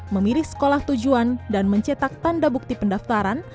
memilih sekolah tujuan dan mencetak tanda bukti pendaftaran